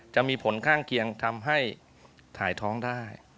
จะมีผลข้างเคียงทำให้ถ่ายท้องได้